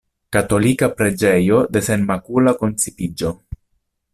Katolika preĝejo de Senmakula koncipiĝo.